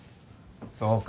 そうか。